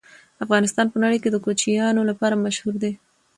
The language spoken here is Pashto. افغانستان په نړۍ کې د کوچیانو لپاره مشهور دی.